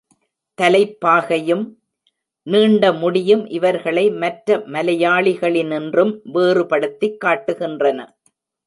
தலைப்பாகையும், நீண்ட முடியும் இவர்களை மற்ற மலையாளிகளினின்றும் வேறுபடுத்திக் காட்டுகின்றன.